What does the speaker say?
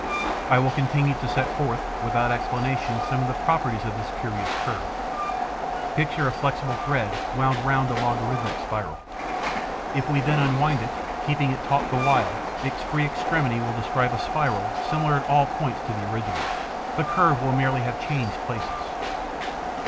I will continue to set forth, without explanations, some of the properties of this curious curve. Picture a flexible thread wound round a logarithmic spiral. If we then unwind it, keeping it taut the while, its free extremity will describe a spiral similar at all points to the original. The curve will merely have changed places.